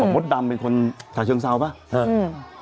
ถอดปลดดำเป็นคนศาชงเศร้าปะเฮ่ย